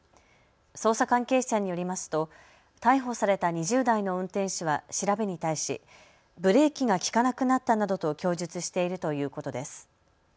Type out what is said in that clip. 捜査関係者によりますと逮捕された２０代の運転手は調べに対しブレーキが利かなくなったなどと供述しているということです。